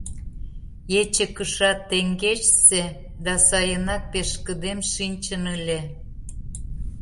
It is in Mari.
Ече кыша теҥгечсе да сайынак пешкыдем шинчын ыле.